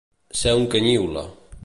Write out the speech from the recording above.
Ser un canyiula.